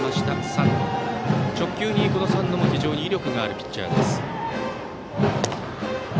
三野も直球に威力があるピッチャーです。